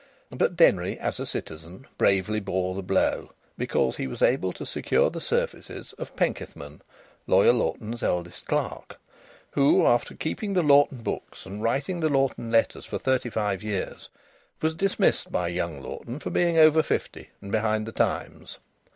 But Denry as a citizen bravely bore the blow because he was able to secure the services of Penkethman, Lawyer Lawton's eldest clerk, who, after keeping the Lawton books and writing the Lawton letters for thirty five years, was dismissed by young Lawton for being over fifty and behind the times.